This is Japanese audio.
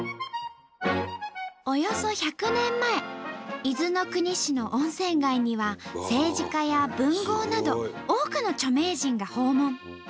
およそ１００年前伊豆の国市の温泉街には政治家や文豪など多くの著名人が訪問。